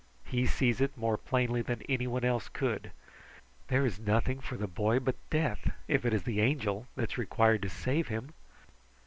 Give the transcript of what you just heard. He sees it more plainly than anyone else could. There is nothing for the boy but death, if it is the Angel that is required to save him."